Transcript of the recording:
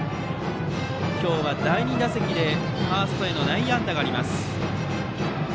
今日は第２打席でファーストへの内野安打がありました。